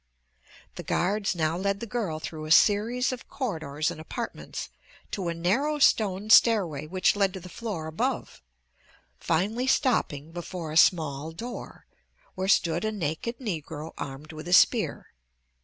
The guards now led the girl through a series of corridors and apartments to a narrow stone stairway which led to the floor above, finally stopping before a small door where stood a naked Negro armed with a spear.